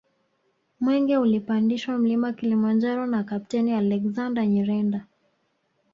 Mwenge ulipandishwa Mlima Kilimanjaro na Kapteni Alexander Nyirenda